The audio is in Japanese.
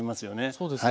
そうですね。